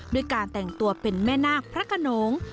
ด้วยการแต่งตัวเป็นแม่นาคพระขนง